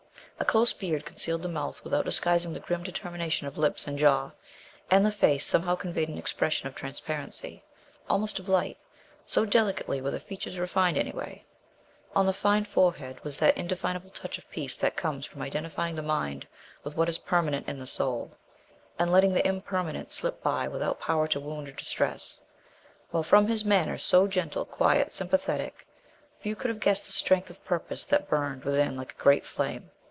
A close beard concealed the mouth without disguising the grim determination of lips and jaw, and the face somehow conveyed an impression of transparency, almost of light, so delicately were the features refined away. On the fine forehead was that indefinable touch of peace that comes from identifying the mind with what is permanent in the soul, and letting the impermanent slip by without power to wound or distress; while, from his manner, so gentle, quiet, sympathetic, few could have guessed the strength of purpose that burned within like a great flame.